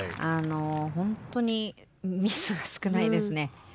本当にミスが少ないですね。